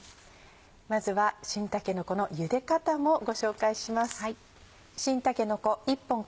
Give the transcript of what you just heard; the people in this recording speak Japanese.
まずは新たけのこのゆで方もご紹介します。